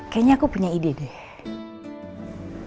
kayaknya aku punya ide deh